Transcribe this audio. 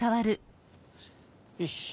よし！